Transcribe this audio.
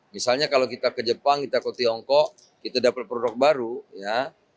misalnya kalau kita ke jepang kita ke tiongkok kita dapat produk baru ya